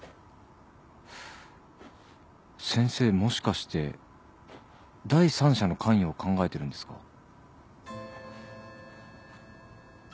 先生もしかして第三者の関与を考えてるんですか？